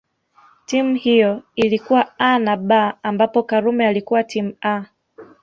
Timu hiyo ilikuwa A na B ambapo Karume alikuwa timu A